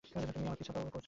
তুই আমার পিঁছা তো করছিস না?